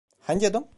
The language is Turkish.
Hangi adam?